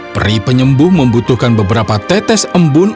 peri penyembuh membutuhkan beberapa tetes embun